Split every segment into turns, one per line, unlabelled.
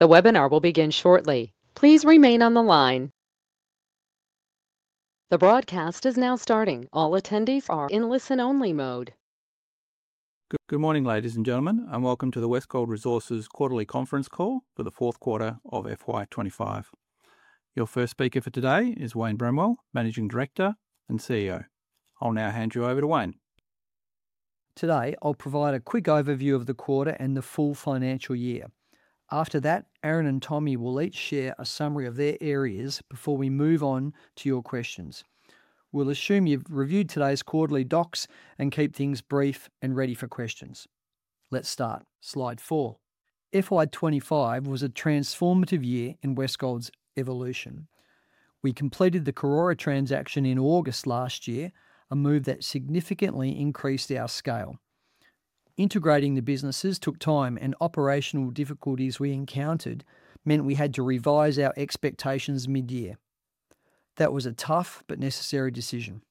The webinar will begin shortly. Please remain on the line. The broadcast is now starting. All attendees are in listen-only mode.
Good morning, ladies and gentlemen, and welcome to the Westgold Resources Quarterly Conference Call for the fourth quarter of FY25. Your first speaker for today is Wayne Bramwell, Managing Director and CEO. I'll now hand you over to Wayne.
Today, I'll provide a quick overview of the quarter and the full financial year. After that, Aaron and Tommy will each share a summary of their areas before we move on to your questions. We'll assume you've reviewed today's quarterly docs and keep things brief and ready for questions. Let's start. Slide 4. FY25 was a transformative year in Westgold's evolution. We completed the Karora transaction in August 2024, a move that significantly increased our scale. Integrating the businesses took time, and operational difficulties we encountered meant we had to revise our expectations mid-year. That was a tough but necessary decision.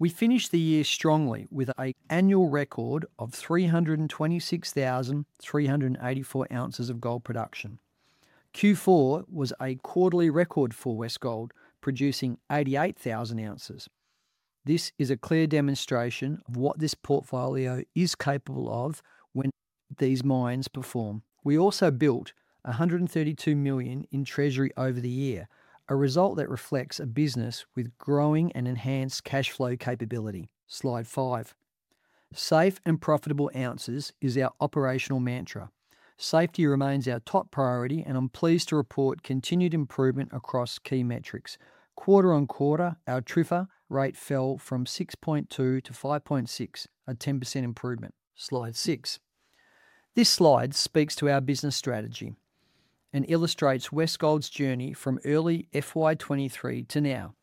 We finished the year strongly with an annual record of 326,384 ounces of gold production. Q4 was a quarterly record for Westgold, producing 88,000 ounces. This is a clear demonstration of what this portfolio is capable of when these mines perform. We also built $132 million in treasury over the year, a result that reflects a business with growing and enhanced cash flow capability. Slide 5. Safe and profitable ounces is our operational mantra. Safety remains our top priority, and I'm pleased to report continued improvement across key metrics. Quarter on quarter, our TRIFR rate fell from 6.2-5.6, a 10% improvement. Slide 6. This slide speaks to our business strategy and illustrates Westgold's journey from early FY23 to now.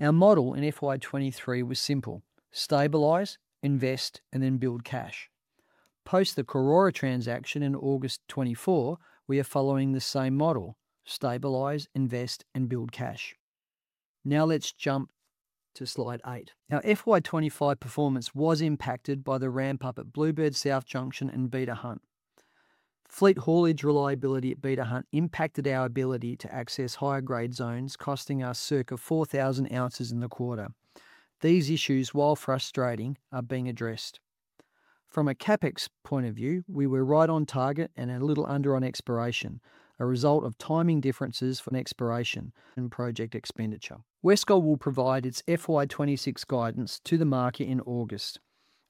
Our model in FY23 was simple: stabilize, invest, and then build cash. Post the Karora transaction in August 2024, we are following the same model: stabilize, invest, and build cash. Now let's jump to Slide 8. Now, FY25 performance was impacted by the ramp-up at Bluebird South Junction and Beta Hunt. Fleet haulage reliability at Beta Hunt impacted our ability to access higher grade zones, costing us circa 4,000 ounces in the quarter. These issues, while frustrating, are being addressed. From a CapEx point of view, we were right on target and a little under on exploration, a result of timing differences for exploration and project expenditure. Westgold will provide its FY26 guidance to the market in August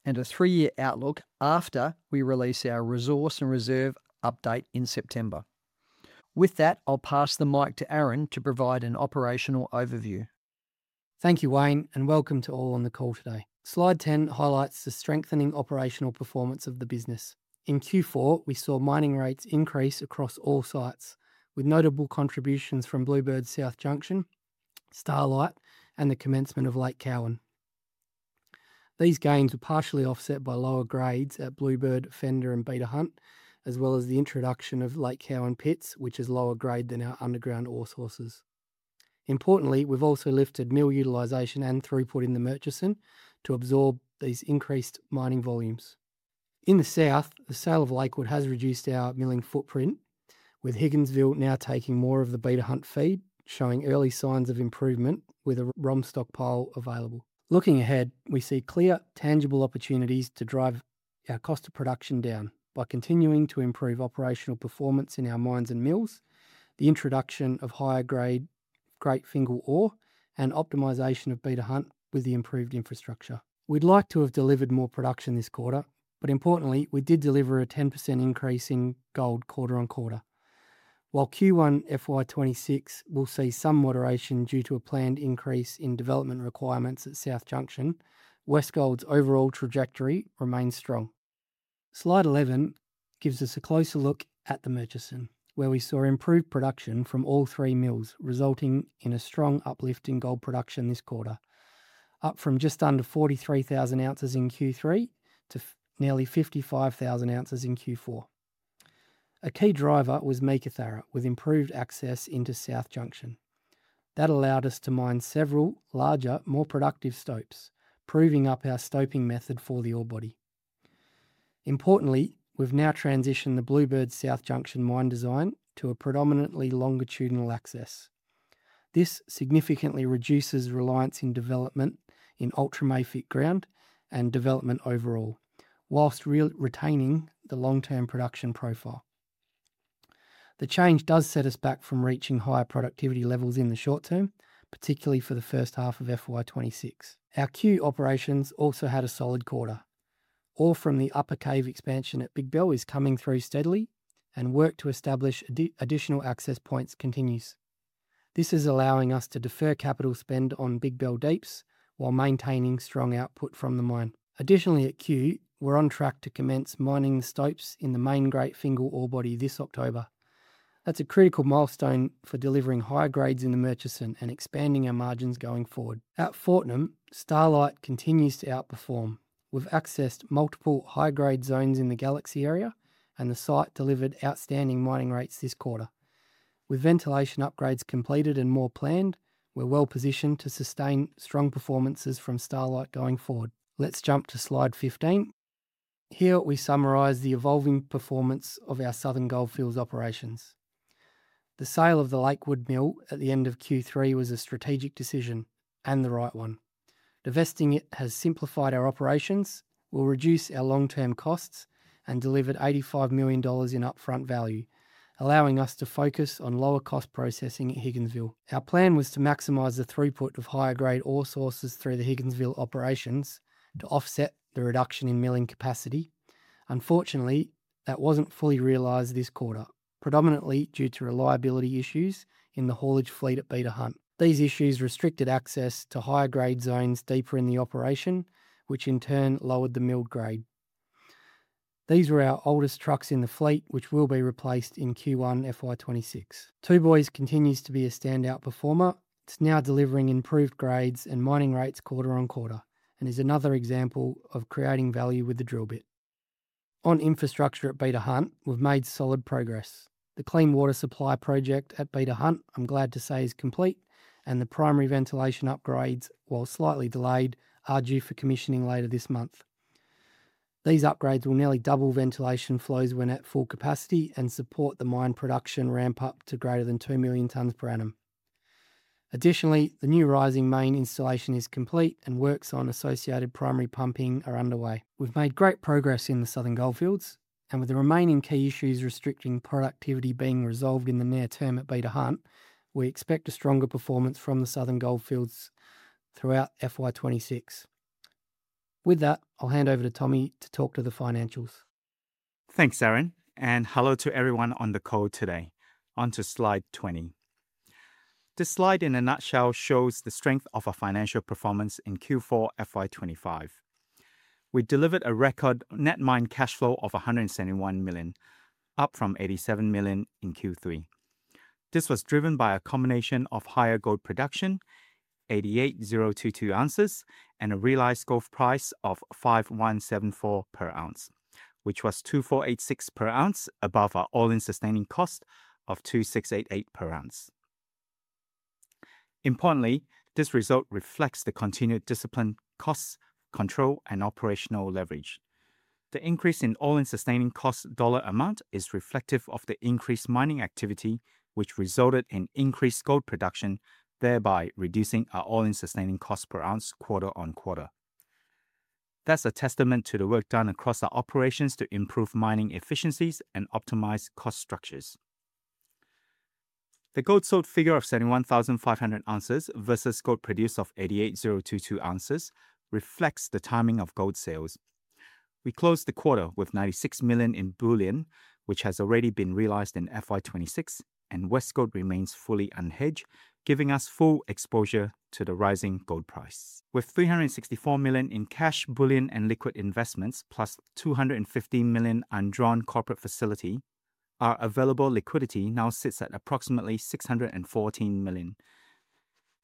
and a three-year outlook after we release our resource and reserve update in September. With that, I'll pass the mic to Aaron to provide an operational overview.
Thank you, Wayne, and welcome to all on the call today. Slide 10 highlights the strengthening operational performance of the business. In Q4, we saw mining rates increase across all sites, with notable contributions from Bluebird South Junction, Starlight, and the commencement of Lake Cowan. These gains were partially offset by lower grades at Bluebird, Fender, and Beta Hunt, as well as the introduction of Lake Cowan Pits, which is lower grade than our underground ore sources. Importantly, we've also lifted mill utilization and throughput in the Murchison to absorb these increased mining volumes. In the south, the sale of Lakewood has reduced our milling footprint, with Higginsville now taking more of the Beta Hunt feed, showing early signs of improvement with a ROM stockpile available. Looking ahead, we see clear, tangible opportunities to drive our cost of production down by continuing to improve operational performance in our mines and mills, the introduction of higher grade Great Fingall ore, and optimization of Beta Hunt with the improved infrastructure. We'd like to have delivered more production this quarter, but importantly, we did deliver a 10% increase in gold quarter on quarter. While Q1 FY26 will see some moderation due to a planned increase in development requirements at South Junction, Westgold's overall trajectory remains strong. Slide 11 gives us a closer look at the Murchison, where we saw improved production from all three mills, resulting in a strong uplift in gold production this quarter, up from just under 43,000 ounces in Q3 to nearly 55,000 ounces in Q4. A key driver was Meekatharra, with improved access into South Junction. That allowed us to mine several larger, more productive stopes, proving up our stoping method for the ore body. Importantly, we've now transitioned the Bluebird South Junction mine design to a predominantly longitudinal access. This significantly reduces reliance in development in ultramafic ground and development overall, whilst retaining the long-term production profile. The change does set us back from reaching higher productivity levels in the short term, particularly for the first half of FY26. Our Cue operations also had a solid quarter. Ore from the Upper Cave expansion at Big Bell is coming through steadily, and work to establish additional access points continues. This is allowing us to defer capital spend on Big Bell Deeps while maintaining strong output from the mine. Additionally, at cue, we're on track to commence mining the stopes in the main Great Fingall ore body this October. That's a critical milestone for delivering higher grades in the Murchison and expanding our margins going forward. At Fortnum, Starlight continues to outperform. We've accessed multiple high-grade zones in the Galaxy area, and the site delivered outstanding mining rates this quarter. With ventilation upgrades completed and more planned, we're well positioned to sustain strong performances from Starlight going forward. Let's jump to Slide 15. Here, we summarize the evolving performance of our Southern Goldfields operations. The sale of the Lakewood mill at the end of Q3 was a strategic decision, and the right one. Divesting it has simplified our operations, will reduce our long-term costs, and delivered $85 million in upfront value, allowing us to focus on lower cost processing at Higginsville. Our plan was to maximize the throughput of higher grade ore sources through the Higginsville operations to offset the reduction in milling capacity. Unfortunately, that wasn't fully realized this quarter, predominantly due to reliability issues in the haulage fleet at Beta Hunt. These issues restricted access to higher grade zones deeper in the operation, which in turn lowered the milled grade. These were our oldest trucks in the fleet, which will be replaced in Q1 FY26. Tubois continues to be a standout performer. It's now delivering improved grades and mining rates quarter on quarter and is another example of creating value with the drill bit. On infrastructure at Beta Hunt, we've made solid progress. The clean water supply project at Beta Hunt, I'm glad to say, is complete, and the primary ventilation upgrades, while slightly delayed, are due for commissioning later this month. These upgrades will nearly double ventilation flows when at full capacity and support the mine production ramp-up to greater than 2 million tonnes per annum. Additionally, the new rising main installation is complete and works on associated primary pumping are underway. We've made great progress in the Southern Goldfields, and with the remaining key issues restricting productivity being resolved in the near term at Beta Hunt, we expect a stronger performance from the Southern Goldfields throughout FY26. With that, I'll hand over to Tommy to talk to the financials.
Thanks, Aaron, and hello to everyone on the call today. On to Slide 20. This slide, in a nutshell, shows the strength of our financial performance in Q4 FY25. We delivered a record net mined cash flow of $171 million, up from $87 million in Q3. This was driven by a combination of higher gold production, 88,022 ounces, and a realized gold price of $5,174 per ounce, which was $2,486 per ounce above our all-in sustaining cost of $2,688 per ounce. Importantly, this result reflects the continued discipline, costs, control, and operational leverage. The increase in all-in sustaining cost dollar amount is reflective of the increased mining activity, which resulted in increased gold production, thereby reducing our all-in sustaining cost per ounce quarter on quarter. That's a testament to the work done across our operations to improve mining efficiencies and optimize cost structures. The gold sold figure of 71,500 ounces versus gold produced of 88,022 ounces reflects the timing of gold sales. We closed the quarter with $96 million in bullion, which has already been realized in FY26, and Westgold remains fully unhedged, giving us full exposure to the rising gold price. With $364 million in cash, bullion, and liquid investments, plus $215 million undrawn corporate facility, our available liquidity now sits at approximately $614 million.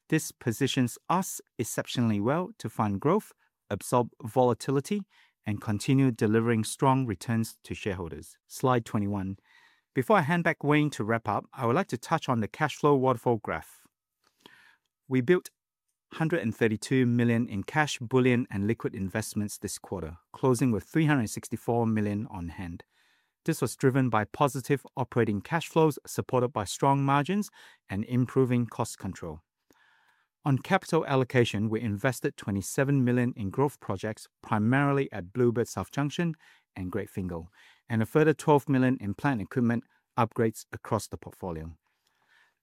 This positions us exceptionally well to fund growth, absorb volatility, and continue delivering strong returns to shareholders. Slide 21. Before I hand back to Wayne to wrap up, I would like to touch on the cash flow waterfall graph. We built $132 million in cash, bullion, and liquid investments this quarter, closing with $364 million on hand. This was driven by positive operating cash flows supported by strong margins and improving cost control. On capital allocation, we invested $27 million in growth projects, primarily at Bluebird South Junction and Great Fingall, and a further $12 million in plant and equipment upgrades across the portfolio.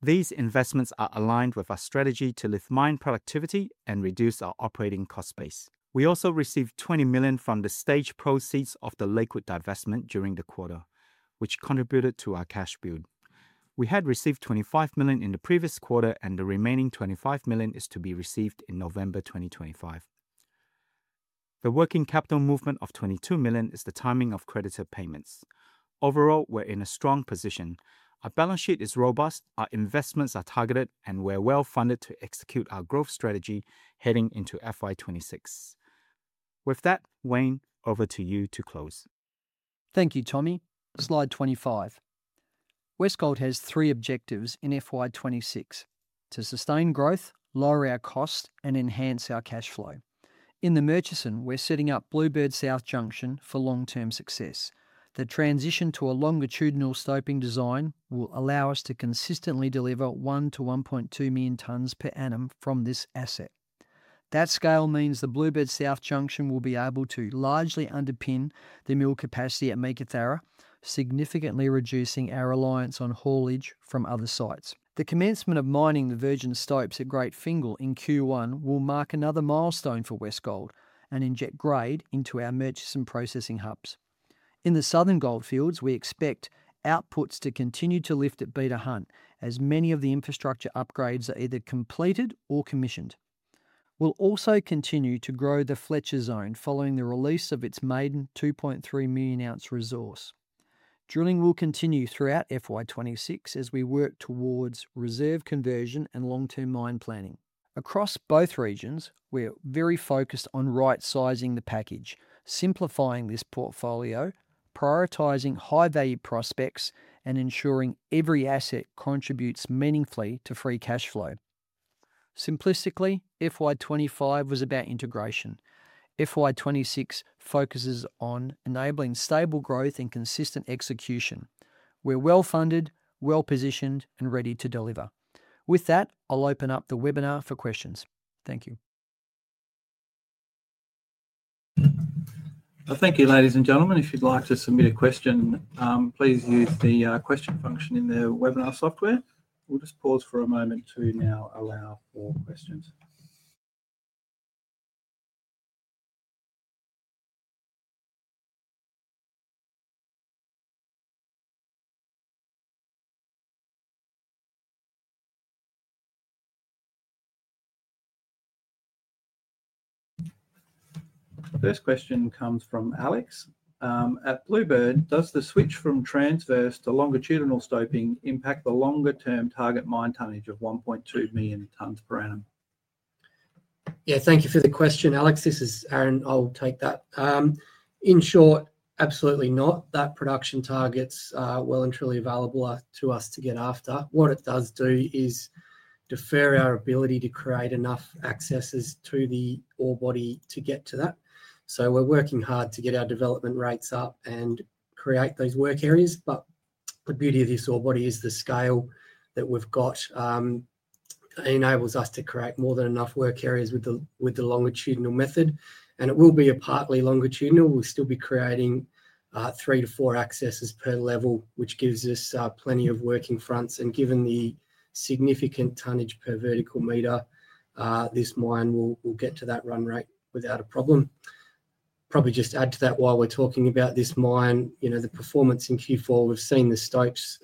These investments are aligned with our strategy to lift mine productivity and reduce our operating cost base. We also received $20 million from the stage proceeds of the Lakewood mill divestment during the quarter, which contributed to our cash build. We had received $25 million in the previous quarter, and the remaining $25 million is to be received in November 2025. The working capital movement of $22 million is the timing of creditor payments. Overall, we're in a strong position. Our balance sheet is robust, our investments are targeted, and we're well funded to execute our growth strategy heading into FY26. With that, Wayne, over to you to close.
Thank you, Tommy. Slide 25. Westgold has three objectives in FY26: to sustain growth, lower our cost, and enhance our cash flow. In the Murchison, we're setting up Bluebird South Junction for long-term success. The transition to a longitudinal stoping design will allow us to consistently deliver 1-1.2 million tonnes per annum from this asset. That scale means the Bluebird South Junction will be able to largely underpin the mill capacity at Meekatharra, significantly reducing our reliance on haulage from other sites. The commencement of mining the virgin stopes at Great Fingall in Q1 will mark another milestone for Westgold and inject grade into our Murchison processing hubs. In the Southern Goldfields, we expect outputs to continue to lift at Beta Hunt as many of the infrastructure upgrades are either completed or commissioned. We'll also continue to grow the Fletcher zone following the release of its maiden 2.3 million ounce resource. Drilling will continue throughout FY26 as we work towards reserve conversion and long-term mine planning. Across both regions, we're very focused on right-sizing the package, simplifying this portfolio, prioritizing high-value prospects, and ensuring every asset contributes meaningfully to free cash flow. Simplistically, FY25 was about integration. FY26 focuses on enabling stable growth and consistent execution. We're well funded, well positioned, and ready to deliver. With that, I'll open up the webinar for questions. Thank you.
Thank you, ladies and gentlemen. If you'd like to submit a question, please use the question function in the webinar software. We'll just pause for a moment to now allow for questions. This question comes from Alex. At Bluebird, does the switch from transverse to longitudinal stoping impact the longer-term target mine tonnage of 1.2 million tonnes per annum?
Yeah, thank you for the question, Alex. This is Aaron. I'll take that. In short, absolutely not. That production target's well and truly available to us to get after. What it does do is defer our ability to create enough accesses to the ore body to get to that. We're working hard to get our development rates up and create those work areas. The beauty of this ore body is the scale that we've got. It enables us to create more than enough work areas with the longitudinal method. It will be a partly longitudinal. We'll still be creating three to four accesses per level, which gives us plenty of working fronts. Given the significant tonnage per vertical meter, this mine will get to that run rate without a problem. Probably just add to that while we're talking about this mine, you know, the performance in Q4. We've seen the stopes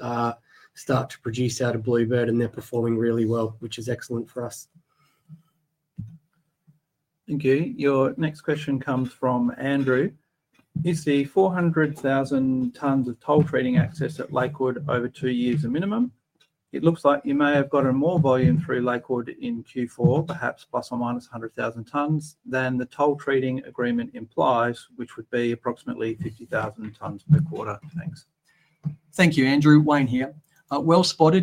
start to produce out of Bluebird, and they're performing really well, which is excellent for us.
Thank you. Your next question comes from Andrew. You see 400,000 tonnes of toll treating access at Lakewood over two years at minimum. It looks like you may have gotten more volume through Lakewood in Q4, perhaps plus or minus 100,000 tonnes, than the toll treating agreement implies, which would be approximately 50,000 tonnes per quarter. Thanks.
Thank you, Andrew. Wayne here.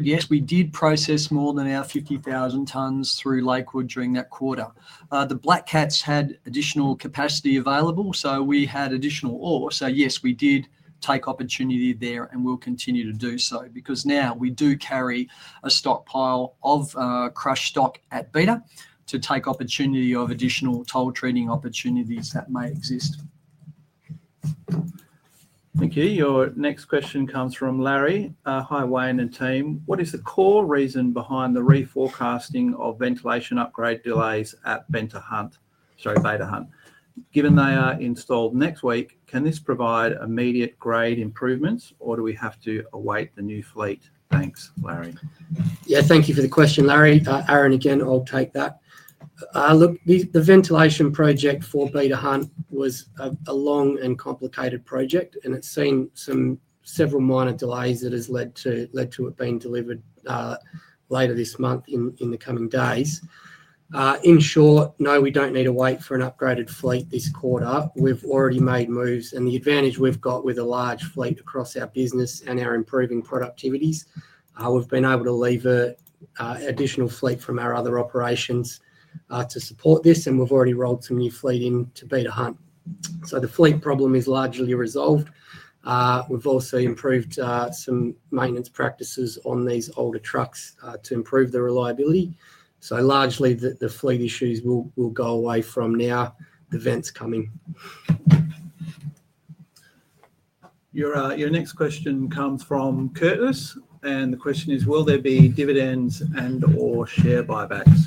Yes, we did process more than our 50,000 tonnes through Lakewood during that quarter. The Black Cats had additional capacity available, so we had additional ore. Yes, we did take opportunity there and will continue to do so because now we do carry a stockpile of crush stock at Beta to take opportunity of additional toll treating opportunities that may exist.
Thank you. Your next question comes from Larry. Hi Wayne and team. What is the core reason behind the reforecasting of ventilation upgrade delays at Beta Hunt? Given they are installed next week, can this provide immediate grade improvements or do we have to await the new fleet? Thanks, Larry.
Yeah, thank you for the question, Larry. Aaron again, I'll take that. Look, the ventilation project for Beta Hunt was a long and complicated project, and it's seen several minor delays that have led to it being delivered later this month in the coming days. In short, no, we don't need to wait for an upgraded fleet this quarter. We've already made moves, and the advantage we've got with a large fleet across our business and our improving productivities, we've been able to leverage additional fleet from our other operations to support this, and we've already rolled some new fleet into Beta Hunt. The fleet problem is largely resolved. We've also improved some maintenance practices on these older trucks to improve the reliability. Largely, the fleet issues will go away from now, the vents coming.
Your next question comes from Curtis, and the question is, will there be dividends and/or share buybacks?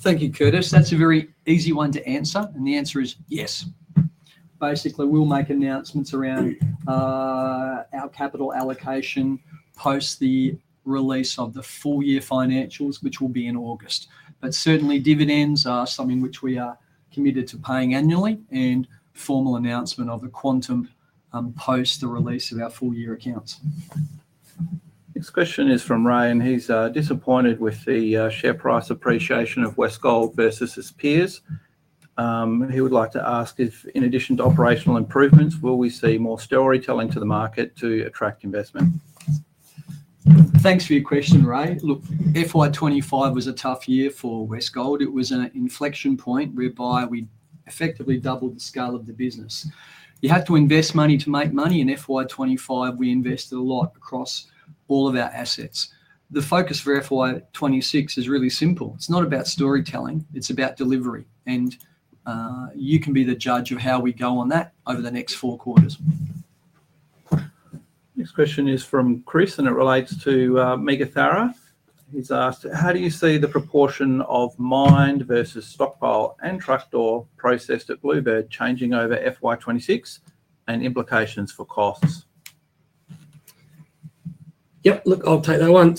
Thank you, Curtis. That's a very easy one to answer, and the answer is yes. Basically, we'll make announcements around our capital allocation post the release of the full-year financials, which will be in August. Dividends are something which we are committed to paying annually, and formal announcement of a quantum post the release of our full-year accounts.
Next question is from Ray. He's disappointed with the share price appreciation of Westgold versus his peers. He would like to ask if, in addition to operational improvements, will we see more storytelling to the market to attract investment?
Thanks for your question, Ray. Look, FY25 was a tough year for Westgold. It was an inflection point whereby we effectively doubled the scale of the business. You have to invest money to make money, and FY25, we invested a lot across all of our assets. The focus for FY26 is really simple. It's not about storytelling. It's about delivery, and you can be the judge of how we go on that over the next four quarters.
Next question is from Chris, and it relates to Meekatharra. He's asked, how do you see the proportion of mined versus stockpile and trucked ore processed at Bluebird changing over FY26 and implications for costs?
Yep, look, I'll take that one.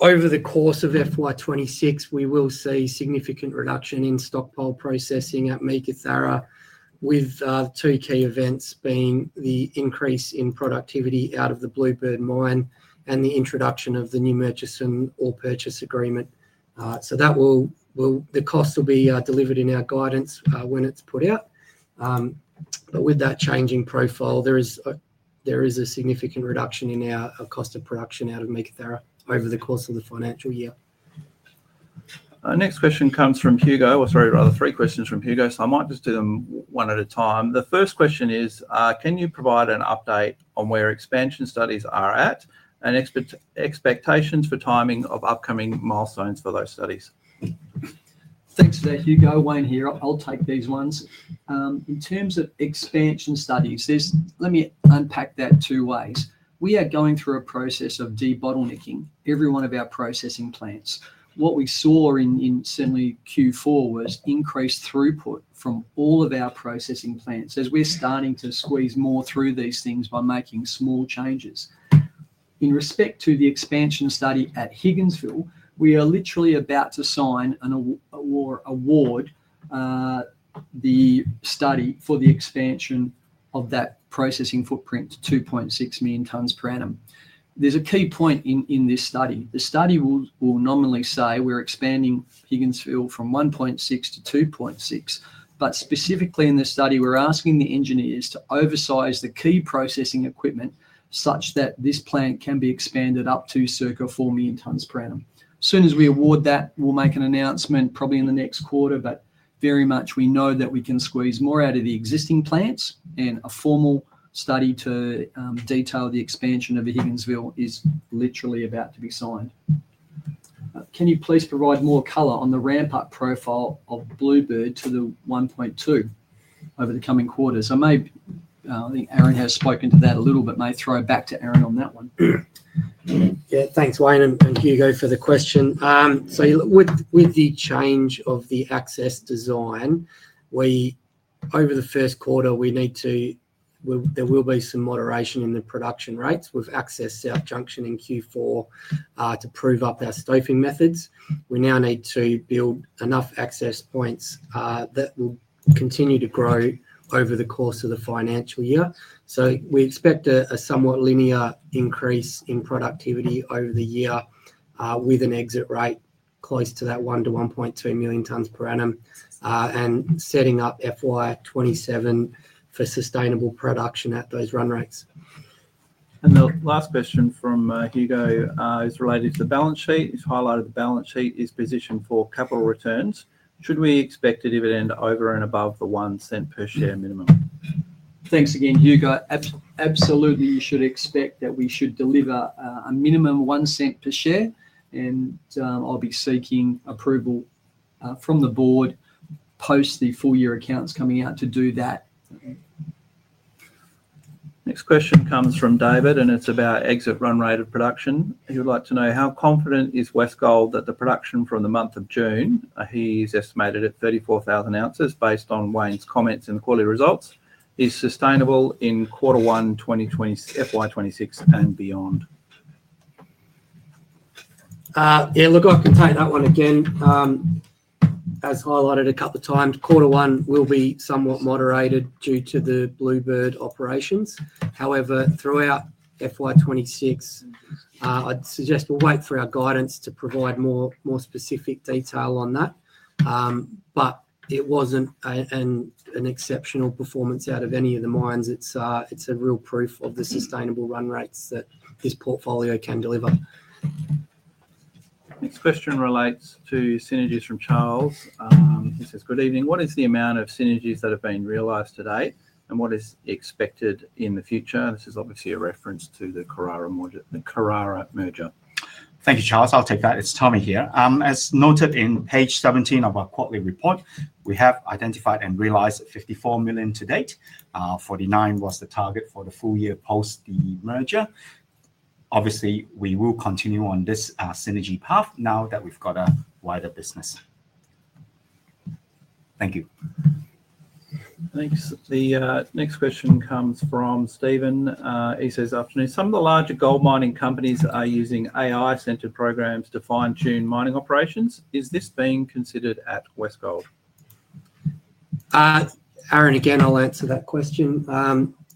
Over the course of FY26, we will see significant reduction in stockpile processing at Meekatharra with two key events being the increase in productivity out of the Bluebird mine and the introduction of the new Murchison ore purchase agreement. The costs will be delivered in our guidance when it's put out. With that changing profile, there is a significant reduction in our cost of production out of Meekatharra over the course of the financial year.
Next question comes from Hugo. Sorry, rather three questions from Hugo, so I might just do them one at a time. The first question is, can you provide an update on where expansion studies are at and expectations for timing of upcoming milestones for those studies?
Thanks for that, Hugo. Wayne here. I'll take these ones. In terms of expansion studies, let me unpack that two ways. We are going through a process of debottlenecking every one of our processing plants. What we saw in certainly Q4 was increased throughput from all of our processing plants as we're starting to squeeze more through these things by making small changes. In respect to the expansion study at Higginsville, we are literally about to sign and award the study for the expansion of that processing footprint to 2.6 million tonnes per annum. There's a key point in this study. The study will nominally say we're expanding Higginsville from 1.6-2.6, but specifically in this study, we're asking the engineers to oversize the key processing equipment such that this plant can be expanded up to circa 4 million tonnes per annum. As soon as we award that, we'll make an announcement probably in the next quarter, but very much we know that we can squeeze more out of the existing plants, and a formal study to detail the expansion of Higginsville is literally about to be signed. Can you please provide more color on the ramp-up profile of Bluebird to the 1.2 over the coming quarters? I think Aaron has spoken to that a little, but may throw back to Aaron on that one.
Yeah, thanks, Wayne, and Hugo for the question. With the change of the access design, over the first quarter, there will be some moderation in the production rates. We've accessed South Junction in Q4 to prove up our stoping methods. We now need to build enough access points that will continue to grow over the course of the financial year. We expect a somewhat linear increase in productivity over the year with an exit rate close to that 1 to 1.2 million tonnes per annum and setting up FY27 for sustainable production at those run rates.
The last question from Hugo is related to the balance sheet. It's highlighted the balance sheet is positioned for capital returns. Should we expect a dividend over and above the $0.01 per share minimum?
Thanks again, Hugo. Absolutely, you should expect that we should deliver a minimum $0.01 per share, and I'll be seeking approval from the Board post the full-year accounts coming out to do that.
Next question comes from David, and it's about exit run rate of production. He would like to know how confident is Westgold that the production from the month of June, he's estimated at 34,000 ounces based on Wayne's comments and the quality results, is sustainable in quarter one, FY26, and beyond?
Yeah, look, I could take that one again. As highlighted a couple of times, quarter one will be somewhat moderated due to the Bluebird operations. However, throughout FY26, I'd suggest we'll wait for our guidance to provide more specific detail on that. It wasn't an exceptional performance out of any of the mines. It's a real proof of the sustainable run rates that this portfolio can deliver.
Next question relates to synergies from Charles. He says, good evening. What is the amount of synergies that have been realized to date, and what is expected in the future? This is obviously a reference to the Karora merger.
Thank you, Charles, I'll take that. It's Tommy here. As noted in page 17 of our quarterly report, we have identified and realized $54 million to date. $49 million was the target for the full year post the merger. Obviously, we will continue on this synergy path now that we've got a wider business. Thank you.
Thanks. The next question comes from Stephen. He says, afternoon, some of the larger gold mining companies are using AI-centered programs to fine-tune mining operations. Is this being considered at Westgold?
Aaron, again, I'll answer that question.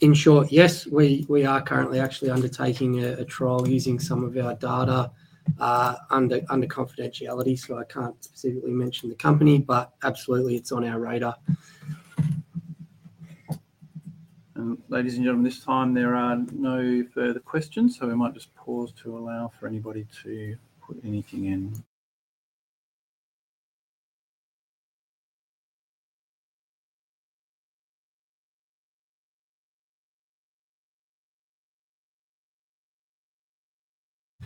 In short, yes, we are currently actually undertaking a trial using some of our data under confidentiality. I can't specifically mention the company, but absolutely, it's on our radar.
Ladies and gentlemen, at this time there are no further questions, so we might just pause to allow for anybody to put anything in.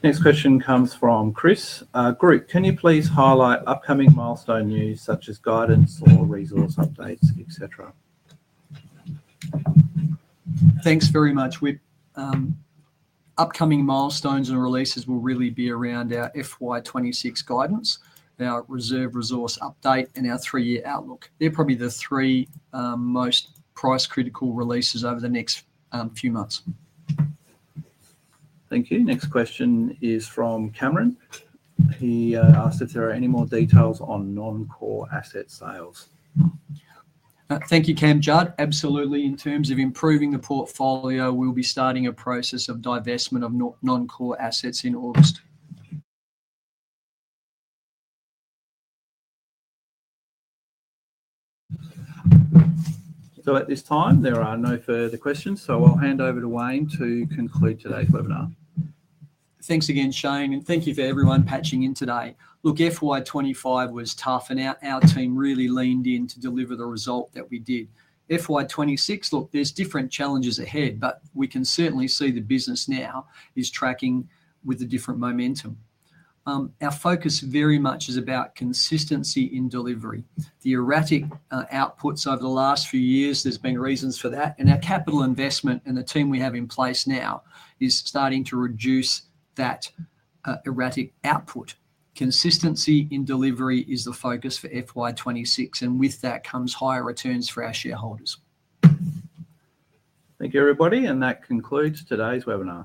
Next question comes from Chris. Group, can you please highlight upcoming milestone news such as guidance or resource updates, et cetera?
Thanks very much. Upcoming milestones and releases will really be around our FY26 guidance, our reserve resource update, and our three-year outlook. They're probably the three most price-critical releases over the next few months.
Thank you. Next question is from Cameron. He asks if there are any more details on non-core asset sales.
Thank you, Cam Judd. Absolutely. In terms of improving the portfolio, we'll be starting a process of divestment of non-core assets in August.
At this time, there are no further questions, so I'll hand over to Wayne to conclude today's webinar.
Thanks again, Shane, and thank you for everyone patching in today. FY25 was tough, and our team really leaned in to deliver the result that we did. FY26, there's different challenges ahead, but we can certainly see the business now is tracking with a different momentum. Our focus very much is about consistency in delivery. The erratic outputs over the last few years, there's been reasons for that, and our capital investment and the team we have in place now is starting to reduce that erratic output. Consistency in delivery is the focus for FY26, and with that comes higher returns for our shareholders.
Thank you, everybody. That concludes today's webinar.